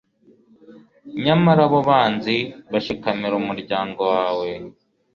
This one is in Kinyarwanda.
nyamara, abo banzi bashikamira umuryango wawe